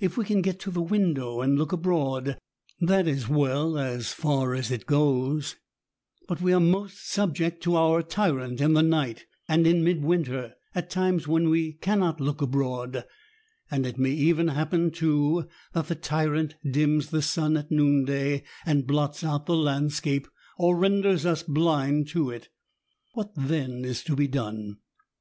If we can get to the window and look abroad^ that is well, as far as it goes ; but we are most subject to our tyrant in the night, and in midwinter, — at times when we cannot look abroad ; and it may even happen, too, that the tyrant dims the sun at noon day, and blots out the landscape, or renders us blind to it. What then is to be done?